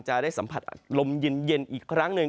จะได้สัมผัสลมเย็นอีกครั้งหนึ่ง